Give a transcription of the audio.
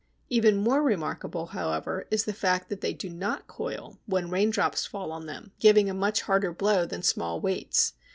Even more remarkable, however, is the fact that they do not coil when raindrops fall on them, giving a much harder blow than small weights.